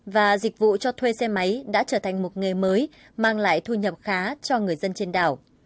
và dịch vụ cho thuê xe máy đã trở thành một nghề mới mang lại thu nhập khá cho người dân trên đảo